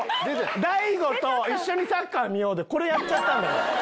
大悟と一緒にサッカー見ようでこれやっちゃったんだから。